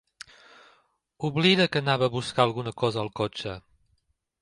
Oblida que anava a buscar alguna cosa al cotxe.